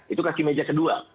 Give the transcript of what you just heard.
itu kaki meja kedua